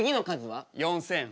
４，０００。